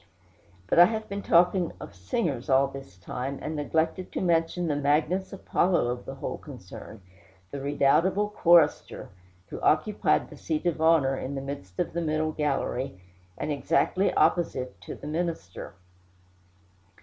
But I have been talking of singers all this time, and neglected to mention the Magnus Apollo of the whole concern, the redoubtable chorister, who occupied the seat of honor in the midst of the middle gallery, and exactly opposite to the minister.